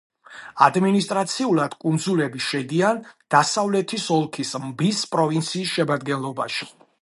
ადმინისტრაციულად კუნძულები შედიან დასავლეთის ოლქის მბის პროვინციის შემადგენლობაში.